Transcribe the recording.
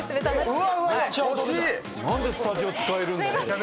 何でスタジオ使えるんだ？